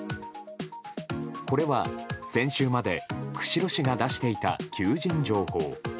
これは先週まで釧路市が出していた求人情報。